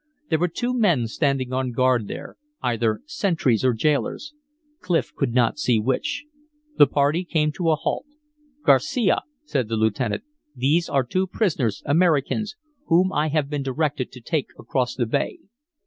There were two men standing on guard there, either sentries or jailers. Clif could not see which. The party came to a halt. "Garcia," said the lieutenant, "these are two prisoners, Americans, whom I have been directed to take across the bay."